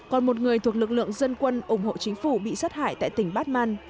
còn một người thuộc lực lượng dân quân ủng hộ chính phủ bị sát hại tại tỉnh batman